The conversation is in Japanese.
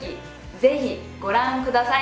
ぜひご覧下さい！